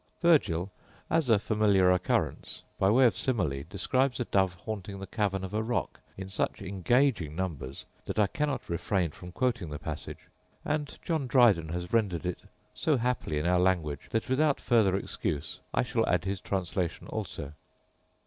Virgil, as a familiar occurrence, by way of simile, describes a dove haunting the cavern of a rock in such engaging numbers, that I cannot refrain from quoting the passage: and John Dryden has rendered it so happily in our language, that without farther excuse I shall add his translation also.